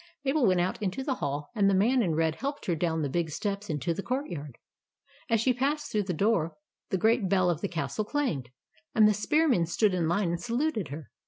Mabel went out into the hall; and the man in red helped her down the big steps into the courtyard. As she passed through the door, the great bell of the castle clanged, and the spearmen stood in line and saluted her.